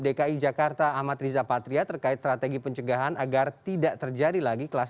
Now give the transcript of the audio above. terima kasih mas peri ikhlas dan pemirsa cnn